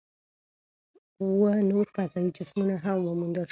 اووه نور فضايي جسمونه هم وموندل شول.